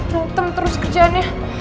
rotem terus kerjaan